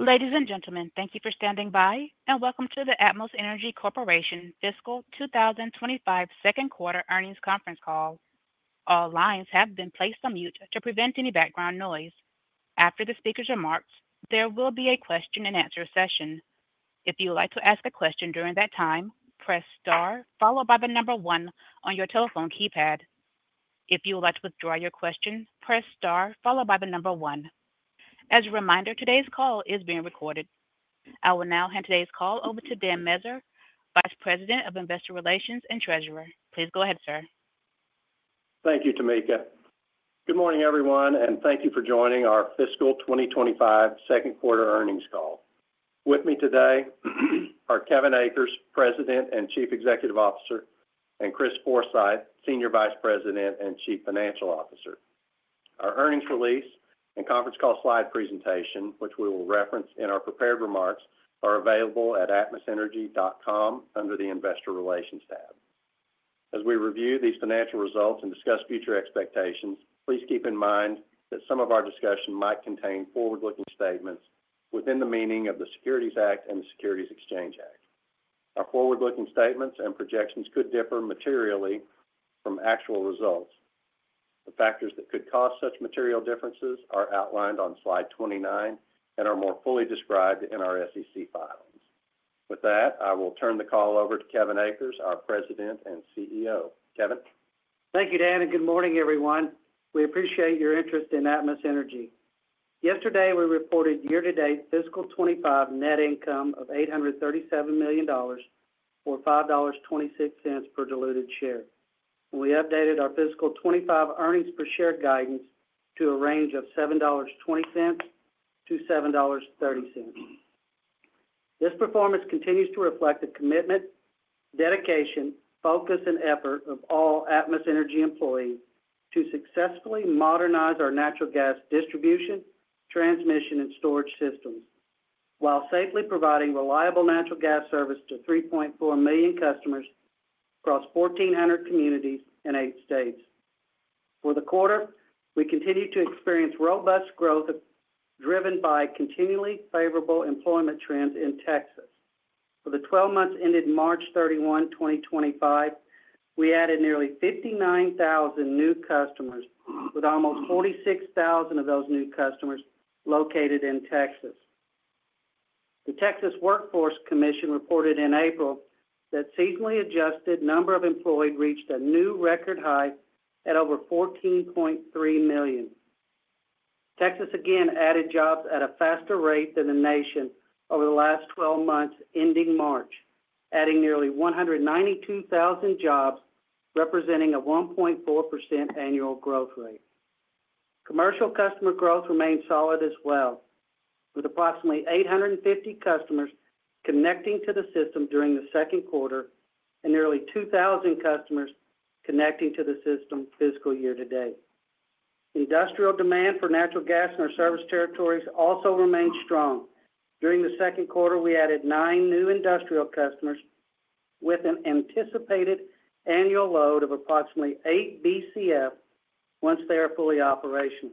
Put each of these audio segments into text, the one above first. Ladies and gentlemen, thank you for standing by, and welcome to the Atmos Energy Corporation Fiscal 2025 Second Quarter Earnings Conference Call. All lines have been placed on mute to prevent any background noise. After the speakers are marked, there will be a question-and-answer session. If you would like to ask a question during that time, press star followed by the number one on your telephone keypad. If you would like to withdraw your question, press star followed by the number one. As a reminder, today's call is being recorded. I will now hand today's call over to Dan Meziere, Vice President of Investor Relations and Treasurer. Please go ahead, sir. Thank you, Tameka. Good morning, everyone, and thank you for joining our Fiscal 2025 Second Quarter Earnings Call. With me today are Kevin Akers, President and Chief Executive Officer, and Chris Forsythe, Senior Vice President and Chief Financial Officer. Our earnings release and conference call slide presentation, which we will reference in our prepared remarks, are available at atmosenergy.com under the Investor Relations tab. As we review these financial results and discuss future expectations, please keep in mind that some of our discussion might contain forward-looking statements within the meaning of the Securities Act and the Securities Exchange Act. Our forward-looking statements and projections could differ materially from actual results. The factors that could cause such material differences are outlined on slide 29 and are more fully described in our SEC filings. With that, I will turn the call over to Kevin Akers, our President and CEO. Kevin. Thank you, Dan, and good morning, everyone. We appreciate your interest in Atmos Energy. Yesterday, we reported year-to-date fiscal 2025 net income of $837 million or $5.26 per diluted share. We updated our fiscal 2025 earnings per share guidance to a range of $7.20-$7.30. This performance continues to reflect the commitment, dedication, focus, and effort of all Atmos Energy employees to successfully modernize our natural gas distribution, transmission, and storage systems, while safely providing reliable natural gas service to 3.4 million customers across 1,400 communities in eight states. For the quarter, we continue to experience robust growth driven by continually favorable employment trends in Texas. For the 12 months ended March 31, 2025, we added nearly 59,000 new customers, with almost 46,000 of those new customers located in Texas. The Texas Workforce Commission reported in April that the seasonally adjusted number of employed reached a new record high at over 14.3 million. Texas again added jobs at a faster rate than the nation over the last 12 months ending March, adding nearly 192,000 jobs, representing a 1.4% annual growth rate. Commercial customer growth remained solid as well, with approximately 850 customers connecting to the system during the second quarter and nearly 2,000 customers connecting to the system fiscal year to date. Industrial demand for natural gas in our service territories also remained strong. During the second quarter, we added nine new industrial customers, with an anticipated annual load of approximately 8 Bcf once they are fully operational.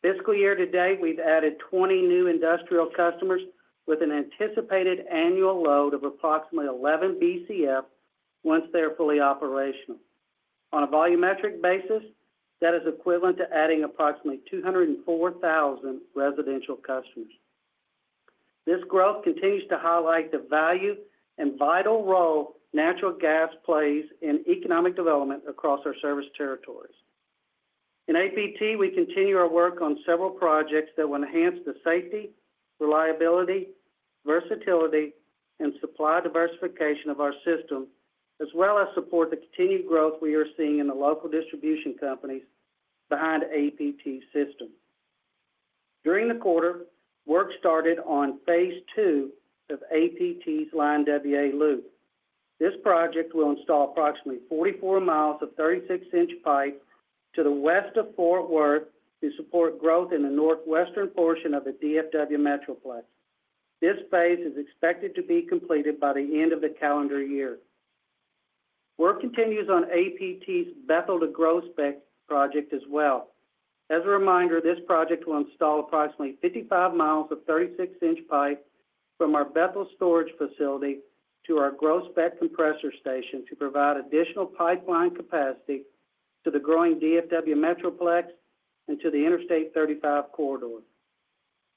Fiscal year to date, we've added 20 new industrial customers, with an anticipated annual load of approximately 11 Bcf once they are fully operational. On a volumetric basis, that is equivalent to adding approximately 204,000 residential customers. This growth continues to highlight the value and vital role natural gas plays in economic development across our service territories. In APT, we continue our work on several projects that will enhance the safety, reliability, versatility, and supply diversification of our system, as well as support the continued growth we are seeing in the local distribution companies behind the APT system. During the quarter, work started on phase two of APT's Line WA Loop. This project will install approximately 44 miles of 36-inch pipe to the west of Fort Worth to support growth in the northwestern portion of the DFW Metroplex. This phase is expected to be completed by the end of the calendar year. Work continues on APT's Bethel to Groesbeck project as well. As a reminder, this project will install approximately 55 miles of 36-inch pipe from our Bethel storage facility to our Groesbeck compressor station to provide additional pipeline capacity to the growing DFW Metroplex and to the Interstate 35 corridor.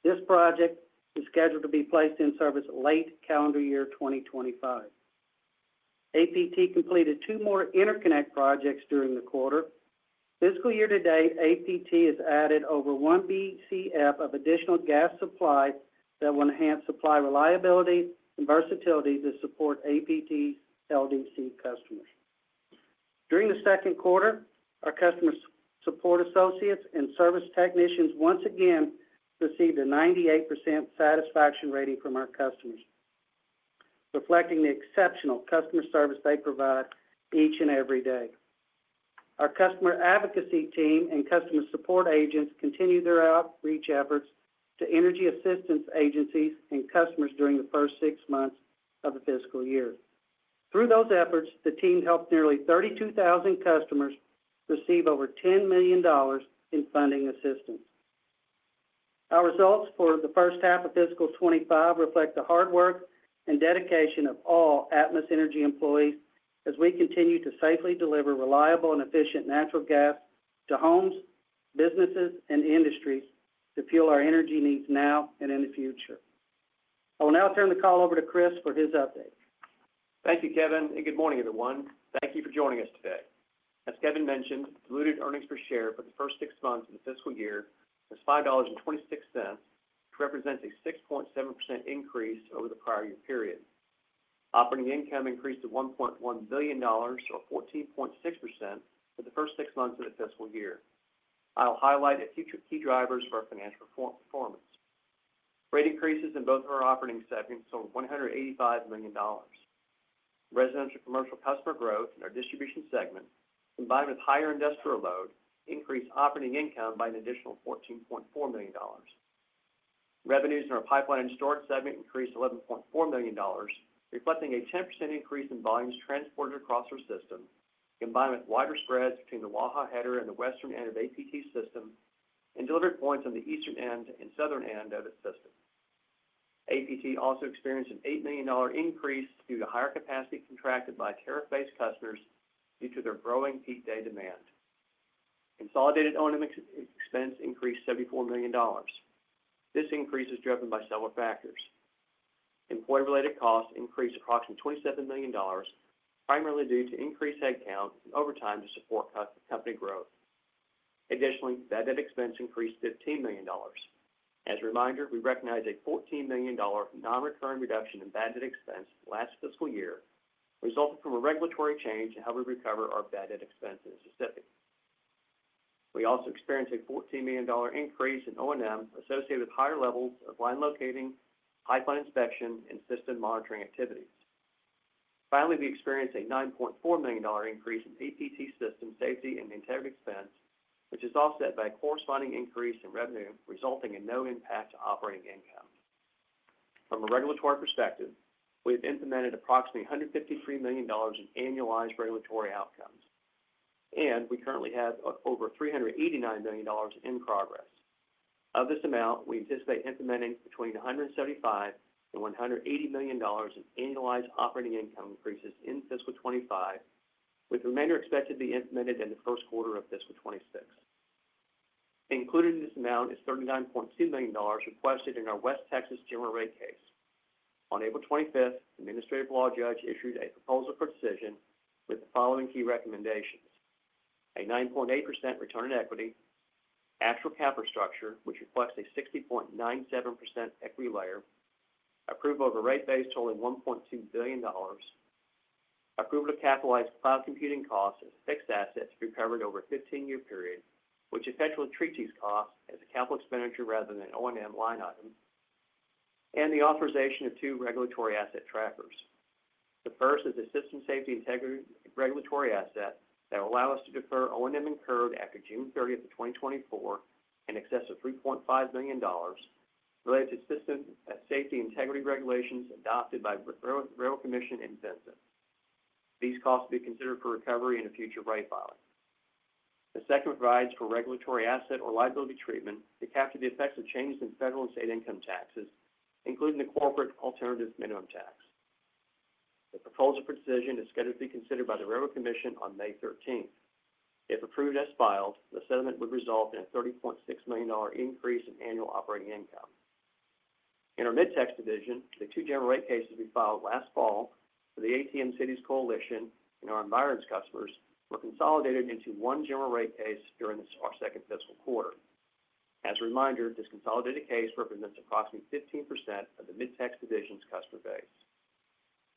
This project is scheduled to be placed in service late calendar year 2025. APT completed two more interconnect projects during the quarter. Fiscal year to date, APT has added over one Bcf of additional gas supply that will enhance supply reliability and versatility to support APT's LDC customers. During the second quarter, our customer support associates and service technicians once again received a 98% satisfaction rating from our customers, reflecting the exceptional customer service they provide each and every day. Our customer advocacy team and customer support agents continue their outreach efforts to energy assistance agencies and customers during the first six months of the fiscal year. Through those efforts, the team helped nearly 32,000 customers receive over $10 million in funding assistance. Our results for the first half of fiscal 2025 reflect the hard work and dedication of all Atmos Energy employees as we continue to safely deliver reliable and efficient natural gas to homes, businesses, and industries to fuel our energy needs now and in the future. I will now turn the call over to Chris for his update. Thank you, Kevin, and good morning, everyone. Thank you for joining us today. As Kevin mentioned, diluted earnings per share for the first six months of the fiscal year was $5.26, which represents a 6.7% increase over the prior year period. Operating income increased to $1.1 billion, or 14.6%, for the first six months of the fiscal year. I'll highlight a few key drivers for our financial performance. Rate increases in both of our operating segments total $185 million. Residential commercial customer growth in our distribution segment, combined with higher industrial load, increased operating income by an additional $14.4 million. Revenues in our pipeline and storage segment increased $11.4 million, reflecting a 10% increase in volumes transported across our system, combined with wider spreads between the Waha header and the western end of APT system and delivery points on the eastern end and southern end of the system. APT also experienced an $8 million increase due to higher capacity contracted by tariff-based customers due to their growing peak day demand. Consolidated O&M expense increased $74 million. This increase is driven by several factors. Employee-related costs increased approximately $27 million, primarily due to increased headcount and overtime to support company growth. Additionally, bad debt expense increased $15 million. As a reminder, we recognize a $14 million non-recurring reduction in bad debt expense last fiscal year, resulting from a regulatory change in how we recover our bad debt expenses in Mississippi. We also experienced a $14 million increase in O&M associated with higher levels of line locating, pipeline inspection, and system monitoring activities. Finally, we experienced a $9.4 million increase in APT System Safety and Integrity expense, which is offset by a corresponding increase in revenue, resulting in no impact to operating income. From a regulatory perspective, we have implemented approximately $153 million in annualized regulatory outcomes, and we currently have over $389 million in progress. Of this amount, we anticipate implementing between $175 million and $180 million in annualized operating income increases in fiscal 2025, with the remainder expected to be implemented in the first quarter of fiscal 2026. Included in this amount is $39.2 million requested in our West Texas General Rate Case. On April 25th, the Administrative Law Judge issued a proposal for decision with the following key recommendations: a 9.8% return on equity, actual capital structure, which requests a 60.97% equity layer, approval of a rate base totaling $1.2 billion, approval to capitalize cloud computing costs as fixed assets recovered over a 15-year period, which effectually treats these costs as a capital expenditure rather than an O&M line item, and the authorization of two regulatory asset trackers. The first is a system safety and integrity regulatory asset that will allow us to defer O&M incurred after June 30th of 2024 in excess of $3.5 million related to system safety and integrity regulations adopted by the Railroad Commission of Texas. These costs will be considered for recovery in a future rate filing. The second provides for regulatory asset or liability treatment to capture the effects of changes in federal and state income taxes, including the corporate alternative minimum tax. The proposal for decision is scheduled to be considered by the Railroad Commission of Texas on May 13th. If approved as filed, the settlement would result in a $30.6 million increase in annual operating income. In our Mid-Tex division, the two general rate cases we filed last fall for the ATM Cities Coalition and our non-ATM customers were consolidated into one general rate case during our second fiscal quarter. As a reminder, this consolidated case represents approximately 15% of the Mid-Tex division's customer base.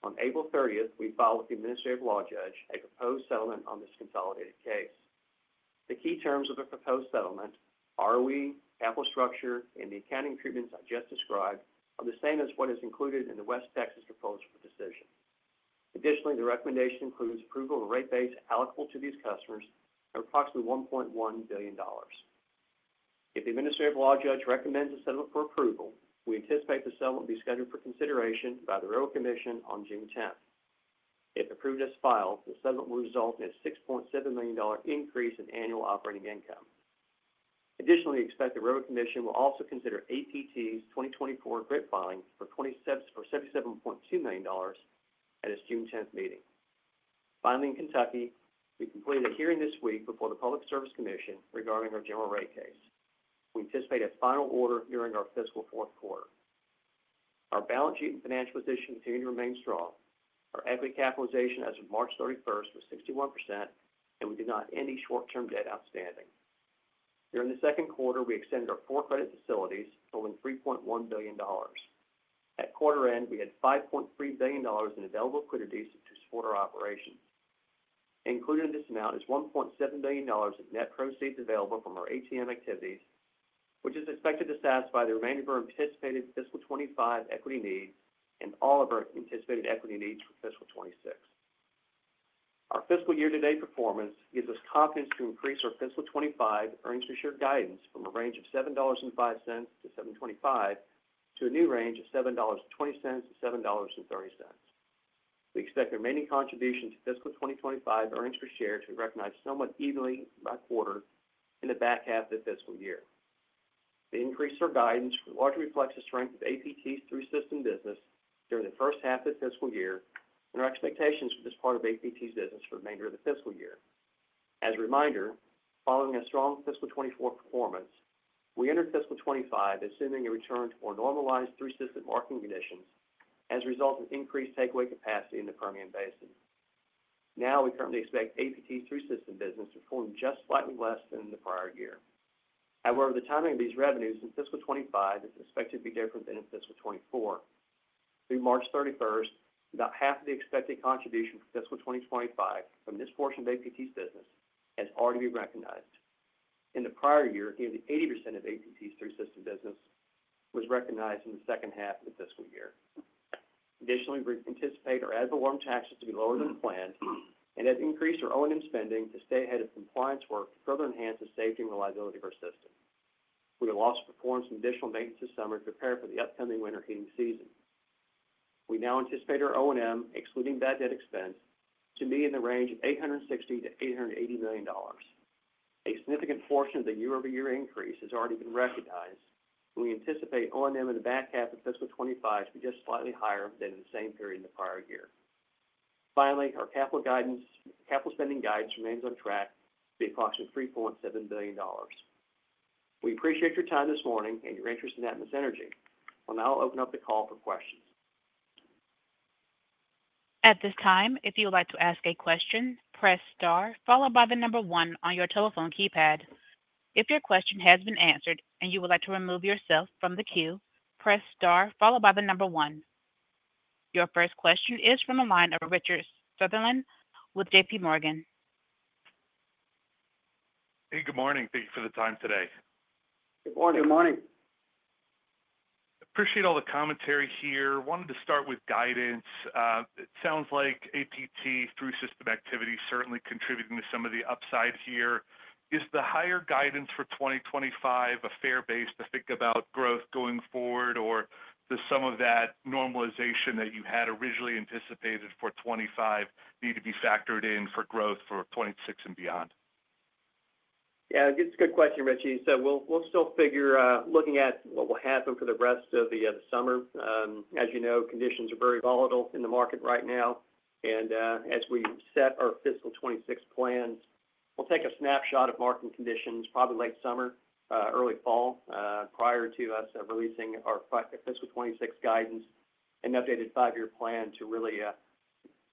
On April 30th, we filed with the Administrative Law Judge a proposed settlement on this consolidated case. The key terms of the proposed settlement, ROE, capital structure, and the accounting treatments I just described are the same as what is included in the West Texas proposal for decision. Additionally, the recommendation includes approval of a rate base allocable to these customers of approximately $1.1 billion. If the Administrative Law Judge recommends a settlement for approval, we anticipate the settlement will be scheduled for consideration by the Railroad Commission on June 10th. If approved as filed, the settlement will result in a $6.7 million increase in annual operating income. Additionally, we expect the Railroad Commission will also consider APT's 2024 GRIP filing for $77.2 million at its June 10th meeting. Finally, in Kentucky, we completed a hearing this week before the Public Service Commission regarding our general rate case. We anticipate a final order during our fiscal fourth quarter. Our balance sheet and financial position continue to remain strong. Our equity capitalization as of March 31st was 61%, and we did not have any short-term debt outstanding. During the second quarter, we extended our revolving credit facilities totaling $3.1 billion. At quarter end, we had $5.3 billion in available liquidity to support our operations. Included in this amount is $1.7 billion in net proceeds available from our ATM activities, which is expected to satisfy the remainder of our anticipated fiscal 2025 equity needs and all of our anticipated equity needs for fiscal 2026. Our fiscal year-to-date performance gives us confidence to increase our fiscal 2025 earnings per share guidance from a range of $7.05-$7.25 to a new range of $7.20-$7.30. We expect the remaining contribution to fiscal 2025 earnings per share to be recognized somewhat evenly by quarter in the back half of the fiscal year. The increase in our guidance largely reflects the strength of APT's through system business during the first half of the fiscal year and our expectations for this part of APT's business for the remainder of the fiscal year. As a reminder, following a strong fiscal 2024 performance, we entered fiscal 2025 assuming a return to more normalized through system marketing conditions as a result of increased takeaway capacity in the Permian Basin. Now, we currently expect APT's through system business to perform just slightly less than in the prior year. However, the timing of these revenues in fiscal 2025 is expected to be different than in fiscal 2024. Through March 31st, about half of the expected contribution for fiscal 2025 from this portion of APT's business has already been recognized. In the prior year, nearly 80% of APT's through system business was recognized in the second half of the fiscal year. Additionally, we anticipate our ad valorem taxes to be lower than planned and have increased our O&M spending to stay ahead of compliance work to further enhance the safety and reliability of our system. We will also perform some additional maintenance this summer to prepare for the upcoming winter heating season. We now anticipate our O&M, excluding bad debt expense, to be in the range of $860 million-$880 million. A significant portion of the year-over-year increase has already been recognized, and we anticipate O&M in the back half of fiscal 2025 to be just slightly higher than in the same period in the prior year. Finally, our capital spending guidance remains on track to be approximately $3.7 billion. We appreciate your time this morning and your interest in Atmos Energy. I'll now open up the call for questions. At this time, if you would like to ask a question, press star followed by the number one on your telephone keypad. If your question has been answered and you would like to remove yourself from the queue, press star followed by the number one. Your first question is from the line of Richard Sunderland with JPMorgan. Hey, good morning. Thank you for the time today. Good morning. Good morning. Appreciate all the commentary here. Wanted to start with guidance. It sounds like APT through system activity is certainly contributing to some of the upside here. Is the higher guidance for 2025 a fair base to think about growth going forward, or does some of that normalization that you had originally anticipated for 2025 need to be factored in for growth for 2026 and beyond? Yeah, it's a good question, Richie. So we'll still figure, looking at what will happen for the rest of the summer. As you know, conditions are very volatile in the market right now. And as we set our fiscal 2026 plans, we'll take a snapshot of market conditions probably late summer, early fall prior to us releasing our fiscal 2026 guidance and updated five-year plan to really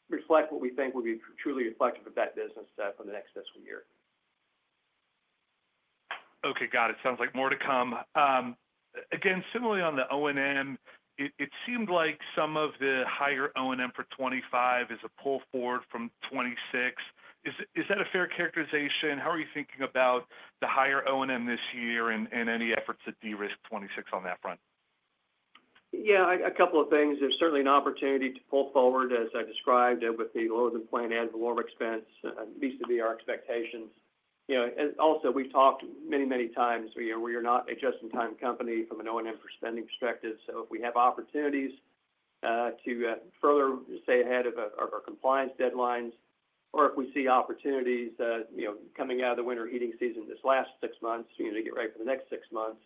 reflect what we think will be truly reflective of that business for the next fiscal year. Okay, got it. Sounds like more to come. Again, similarly on the O&M, it seemed like some of the higher O&M for 2025 is a pull forward from 2026. Is that a fair characterization? How are you thinking about the higher O&M this year and any efforts to de-risk 2026 on that front? Yeah, a couple of things. There's certainly an opportunity to pull forward, as I described, with the lower than planned ad valoren expense. It needs to beat our expectations. Also, we've talked many, many times where you're not a just-in-time company from an O&M spending perspective. So if we have opportunities to further stay ahead of our compliance deadlines, or if we see opportunities coming out of the winter heating season this last six months to get ready for the next six months,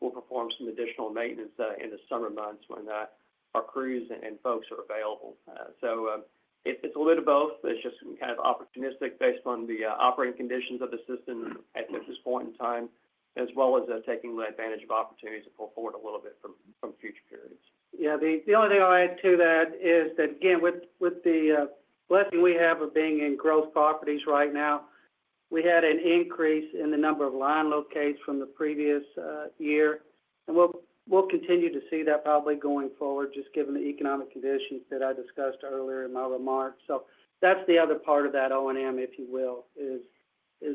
we'll perform some additional maintenance in the summer months when our crews and folks are available. So it's a little bit of both. It's just kind of opportunistic based on the operating conditions of the system at this point in time, as well as taking advantage of opportunities to pull forward a little bit from future periods. Yeah, the only thing I'll add to that is that, again, with the blessing we have of being in growth properties right now, we had an increase in the number of line locates from the previous year. And we'll continue to see that probably going forward, just given the economic conditions that I discussed earlier in my remarks. So that's the other part of that O&M, if you will, is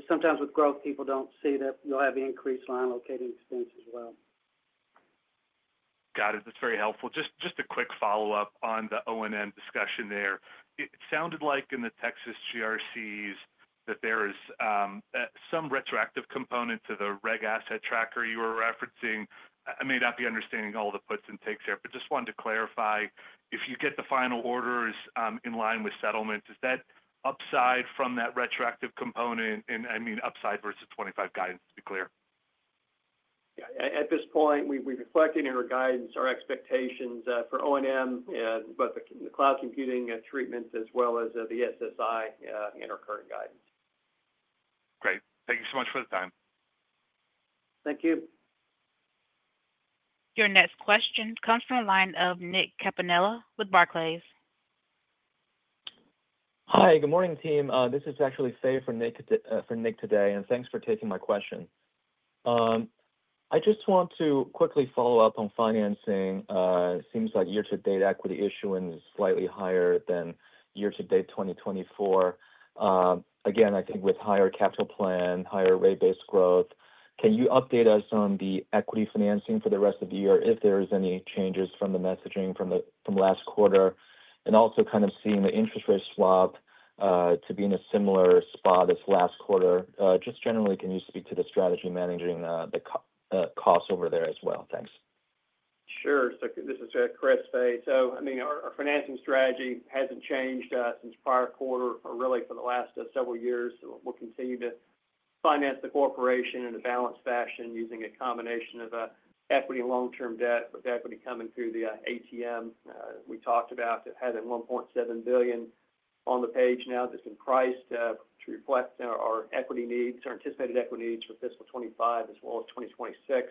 sometimes with growth, people don't see that you'll have increased line locating expense as well. Got it. That's very helpful. Just a quick follow-up on the O&M discussion there. It sounded like in the Texas GRCs that there is some retroactive component to the reg asset tracker you were referencing. I may not be understanding all the puts and takes there, but just wanted to clarify. If you get the final orders in line with settlement, is that upside from that retroactive component? And I mean upside versus 2025 guidance, to be clear. Yeah, at this point, we've reflected in our guidance our expectations for O&M, both the cloud computing treatment as well as the SSI in our current guidance. Great. Thank you so much for the time. Thank you. Your next question comes from the line of Nick Caponella with Barclays. Hi, good morning, team. This is actually Fei for Nick today, and thanks for taking my question. I just want to quickly follow up on financing. It seems like year-to-date equity issuance is slightly higher than year-to-date 2024. Again, I think with higher capital plan, higher rate-based growth, can you update us on the equity financing for the rest of the year if there are any changes from the messaging from last quarter? And also kind of seeing the interest rate swap to be in a similar spot as last quarter. Just generally, can you speak to the strategy managing the costs over there as well? Thanks. Sure. So this is Chris Forsythe. So I mean, our financing strategy hasn't changed since prior quarter or really for the last several years. We'll continue to finance the corporation in a balanced fashion using a combination of equity and long-term debt with equity coming through the ATM. We talked about it has a $1.7 billion on the shelf now that's been priced to reflect our equity needs, our anticipated equity needs for fiscal 2025 as well as 2026.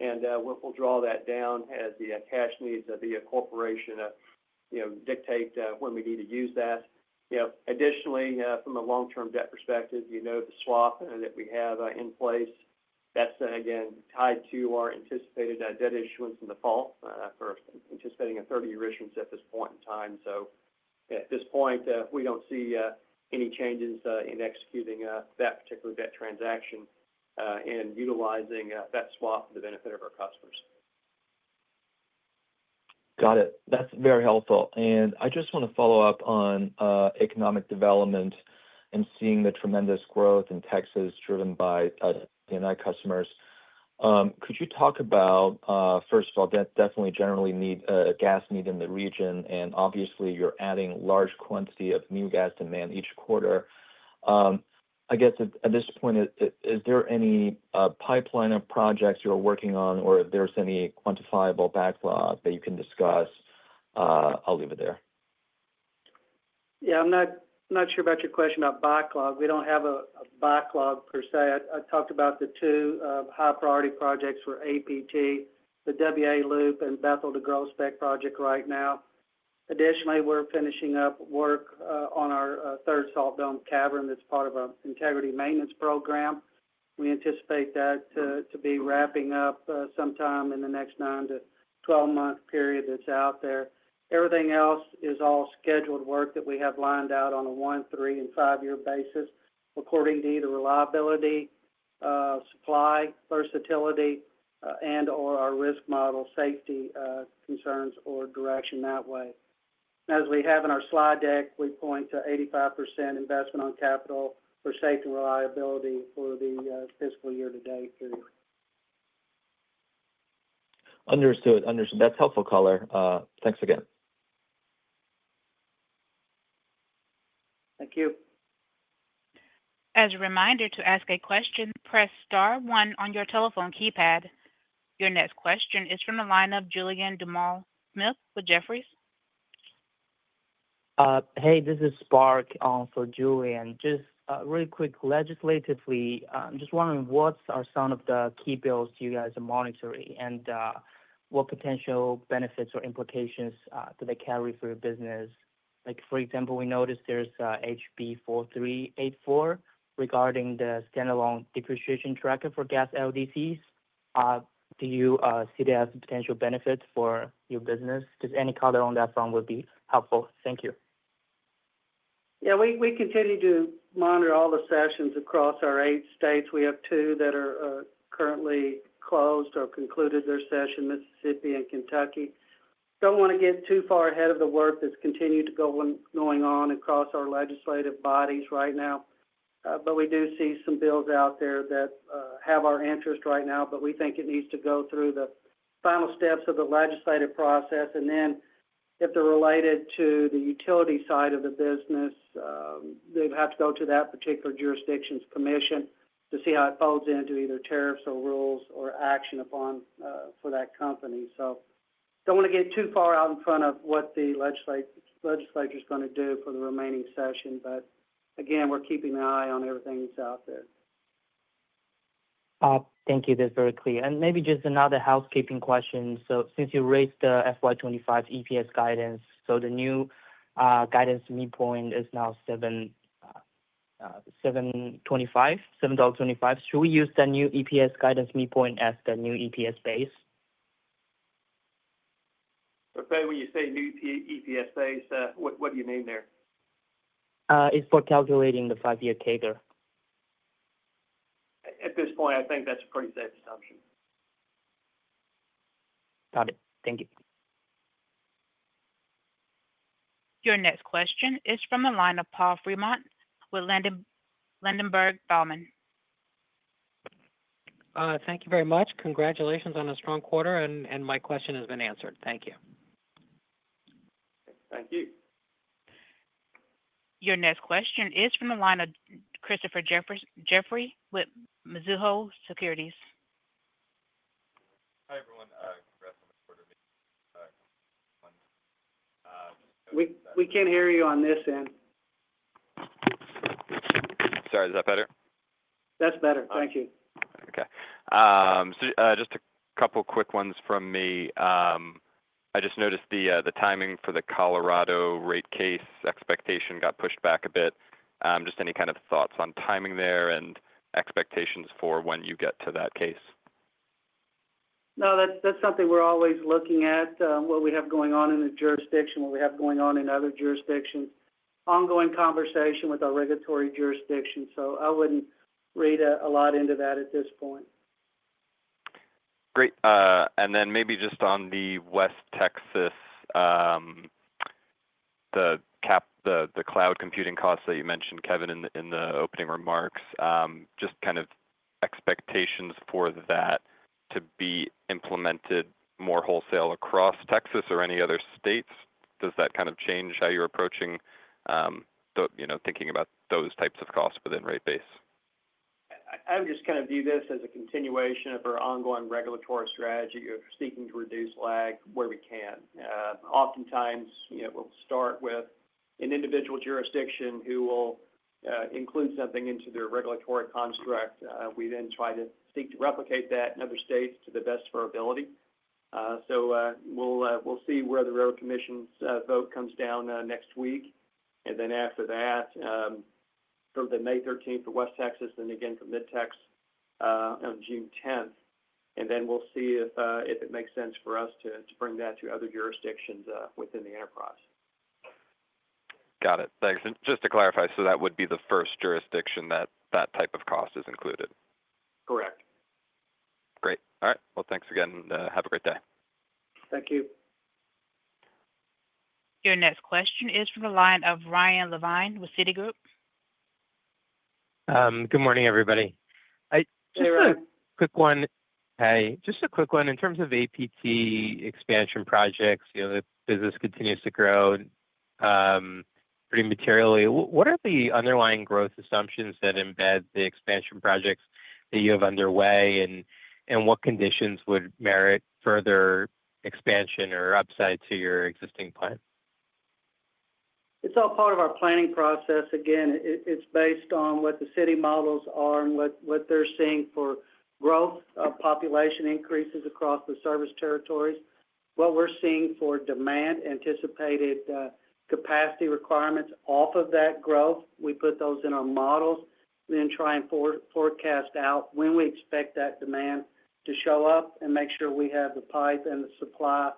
And we'll draw that down as the cash needs of the corporation dictate when we need to use that. Additionally, from a long-term debt perspective, the swap that we have in place, that's again tied to our anticipated debt issuance in the fall for anticipating a 30-year issuance at this point in time. So at this point, we don't see any changes in executing that particular debt transaction and utilizing that swap for the benefit of our customers. Got it. That's very helpful. And I just want to follow up on economic development and seeing the tremendous growth in Texas driven by Atmos customers. Could you talk about, first of all, definite general need for gas in the region, and obviously you're adding large quantity of new gas demand each quarter. I guess at this point, is there any pipeline of projects you're working on, or if there's any quantifiable backlog that you can discuss? I'll leave it there. Yeah, I'm not sure about your question about backlog. We don't have a backlog per se. I talked about the two high-priority projects for APT, the WA Loop, and Bethel to Groesbeck project right now. Additionally, we're finishing up work on our third salt dome cavern that's part of our integrity maintenance program. We anticipate that to be wrapping up sometime in the next 9-12 month period that's out there. Everything else is all scheduled work that we have lined out on a one, three, and five-year basis according to either reliability, supply versatility, and/or our risk model safety concerns or direction that way. As we have in our slide deck, we point to 85% investment on capital for safety and reliability for the fiscal year-to-date period. Understood. Understood. That's helpful, Caller. Thanks again. Thank you. As a reminder to ask a question, press star one on your telephone keypad. Your next question is from the line of Julien Dumoulin-Smith with Jefferies. Hey, this is Spark for Julien. Just really quick, legislatively, I'm just wondering what are some of the key bills you guys are monitoring and what potential benefits or implications do they carry for your business? For example, we noticed there's HB-4384 regarding the standalone depreciation tracker for gas LDCs. Do you see that as a potential benefit for your business? Just any color on that front would be helpful. Thank you. Yeah, we continue to monitor all the sessions across our eight states. We have two that are currently closed or concluded their session, Mississippi and Kentucky. Don't want to get too far ahead of the work that's continued to go on across our legislative bodies right now. But we do see some bills out there that have our interest right now, but we think it needs to go through the final steps of the legislative process. And then if they're related to the utility side of the business, they'd have to go to that particular jurisdiction's commission to see how it folds into either tariffs or rules or action upon for that company. So don't want to get too far out in front of what the legislature is going to do for the remaining session. But again, we're keeping an eye on everything that's out there. Thank you. That's very clear. And maybe just another housekeeping question. So since you raised the FY 2025 EPS guidance, so the new guidance midpoint is now $7.25. Should we use that new EPS guidance midpoint as the new EPS base? Okay. When you say new EPS base, what do you mean there? It's for calculating the five-year CAGR. At this point, I think that's a pretty safe assumption. Got it. Thank you. Your next question is from the line of Paul Fremont with Ladenburg Thalmann. Thank you very much. Congratulations on a strong quarter. And my question has been answered. Thank you. Thank you. Your next question is from the line of Christopher Jeffrey with Mizuho Securities. Hi everyone. Congrats on the quarterly. We can't hear you on this end. Sorry, is that better? That's better. Thank you. Okay, so just a couple of quick ones from me. I just noticed the timing for the Colorado rate case expectation got pushed back a bit. Just any kind of thoughts on timing there and expectations for when you get to that case? No, that's something we're always looking at, what we have going on in the jurisdiction, what we have going on in other jurisdictions, ongoing conversation with our regulatory jurisdiction, so I wouldn't read a lot into that at this point. Great. And then maybe just on the West Texas, the cloud computing costs that you mentioned, Kevin, in the opening remarks, just kind of expectations for that to be implemented more wholesale across Texas or any other states. Does that kind of change how you're approaching thinking about those types of costs within rate base? I would just kind of view this as a continuation of our ongoing regulatory strategy of seeking to reduce lag where we can. Oftentimes, we'll start with an individual jurisdiction who will include something into their regulatory construct. We then try to seek to replicate that in other states to the best of our ability, so we'll see where the Railroad Commission's vote comes down next week, and then after that, from the May 13th for West Texas and again for Mid-Tex on June 10th, and then we'll see if it makes sense for us to bring that to other jurisdictions within the enterprise. Got it. Thanks. And just to clarify, so that would be the first jurisdiction that that type of cost is included? Correct. Great. All right. Well, thanks again. Have a great day. Thank you. Your next question is from the line of Ryan Levine with Citigroup. Good morning, everybody. Hey, Ryan. Quick one. Hey. Just a quick one. In terms of APT expansion projects, the business continues to grow pretty materially. What are the underlying growth assumptions that embed the expansion projects that you have underway, and what conditions would merit further expansion or upside to your existing plan? It's all part of our planning process. Again, it's based on what the city models are and what they're seeing for growth, population increases across the service territories. What we're seeing for demand, anticipated capacity requirements off of that growth, we put those in our models, then try and forecast out when we expect that demand to show up and make sure we have the pipe and the supply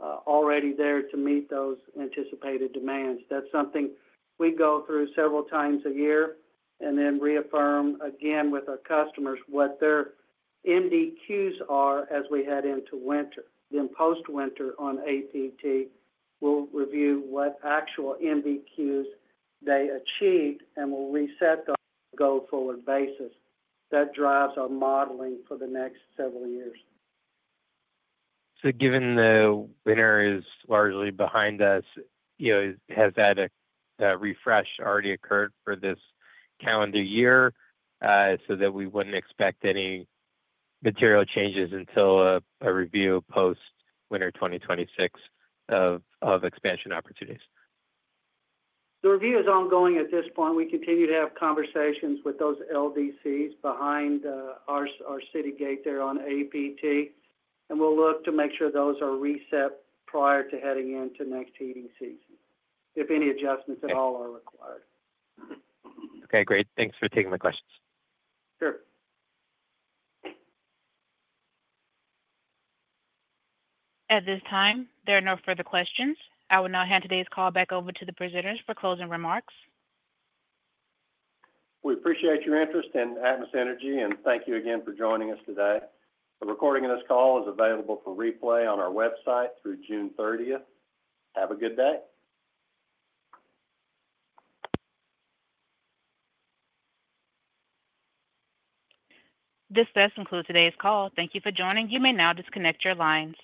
already there to meet those anticipated demands. That's something we go through several times a year and then reaffirm again with our customers what their MDQs are as we head into winter. Then post-winter on APT, we'll review what actual MDQs they achieved and we'll reset the go forward basis. That drives our modeling for the next several years. So given the winter is largely behind us, has that refresh already occurred for this calendar year so that we wouldn't expect any material changes until a review post-winter 2026 of expansion opportunities? The review is ongoing at this point. We continue to have conversations with those LDCs behind our city gate there on APT, and we'll look to make sure those are reset prior to heading into next heating season if any adjustments at all are required. Okay. Great. Thanks for taking my questions. Sure. At this time, there are no further questions. I will now hand today's call back over to the presenters for closing remarks. We appreciate your interest in Atmos Energy and thank you again for joining us today. The recording of this call is available for replay on our website through June 30th. Have a good day. This does conclude today's call. Thank you for joining. You may now disconnect your lines.